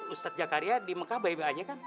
ustadz jakaria di mekabai